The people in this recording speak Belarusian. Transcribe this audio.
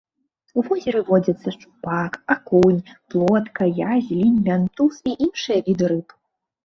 У возеры водзяцца шчупак, акунь, плотка, язь, лінь, мянтуз і іншыя віды рыб.